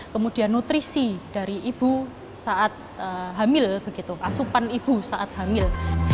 kemudian nutrisi dari ibu saat hamil begitu asupan ibu saat hamil